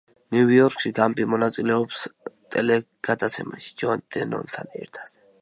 ნიუ იორკში გამპი მონაწილეობს ტელეგადაცემაში, ჯონ ლენონთან ერთად.